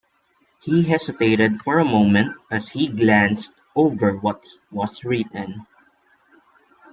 He hesitated for a moment as he glanced over what was written.